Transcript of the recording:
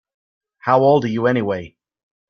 How old are you anyway?